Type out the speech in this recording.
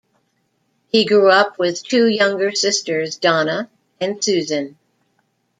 He grew up with two younger sisters, Donna and Susan.